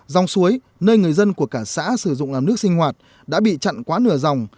dòng suối nơi người dân của cả xã sử dụng làm nước sinh hoạt đã bị chặn quá nửa dòng